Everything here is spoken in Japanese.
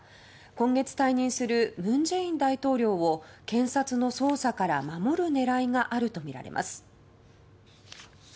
今月退任する文在寅大統領を検察の捜査から守る狙いがあるとみられます。